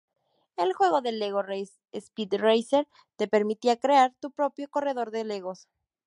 El juego Lego Racer Speed Racer, te permitía crear tu propio corredor de legos.